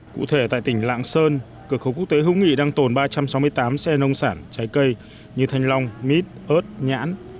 cụ thể tại tỉnh lạng sơn cửa khẩu quốc tế hữu nghị đang tồn ba trăm sáu mươi tám xe nông sản trái cây như thanh long mít ớt nhãn